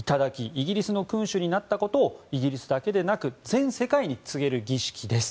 イギリスの君主になったことをイギリスだけでなく全世界に告げる儀式です。